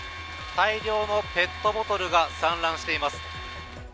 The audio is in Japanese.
大量のペットボトルが散乱しています。